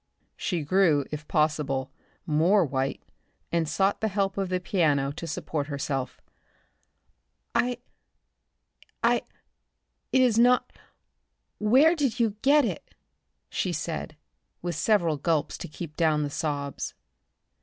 She grew, if possible, more white and sought the help of the piano to support herself. "I I It is not Where did you get it?" she said, with several gulps to keep down the sobs.